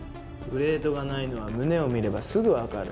プレートがないのは胸を見ればすぐわかる。